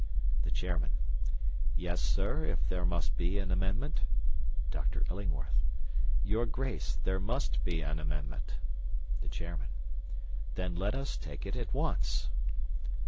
"THE CHAIRMAN: 'Yes, sir, if there must be an amendment.' "DR. ILLINGWORTH: 'Your Grace, there must be an amendment.' "THE CHAIRMAN: 'Then let us take it at once.'